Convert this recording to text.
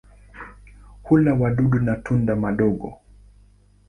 Hula wadudu na tunda madogo.